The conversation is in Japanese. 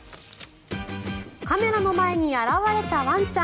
カメラの前に現れたワンちゃん。